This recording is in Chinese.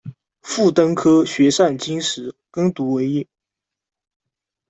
父登科，学擅经史，耕读为业。